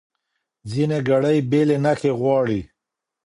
ځینې ګړې بېلې نښې غواړي.